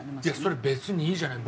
それ別にいいじゃない。